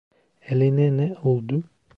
Eline ne oldu?